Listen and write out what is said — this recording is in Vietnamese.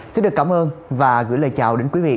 xin được cảm ơn và gửi lời chào đến quý vị